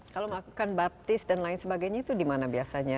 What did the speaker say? kalau melakukan baptis dan lain sebagainya itu dimana biasanya